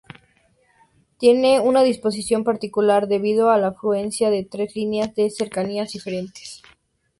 Tiene una disposición particular debido a la confluencia de tres líneas de cercanías diferentes.